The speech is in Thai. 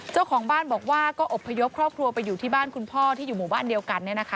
เจ้าของบ้านบอกว่าก็อบพยพครอบครัวไปอยู่ที่บ้านคุณพ่อที่อยู่หมู่บ้านเดียวกัน